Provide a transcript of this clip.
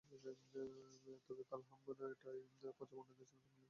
তবে কাল হাম্বানটোটায় পঞ্চম ওয়ানডেতে শ্রীলঙ্কা ফিল্ডিং করল অতিরিক্ত একজন নিয়েই।